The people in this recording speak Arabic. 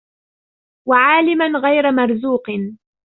وَعَالِمًا غَيْرَ مَرْزُوقٍ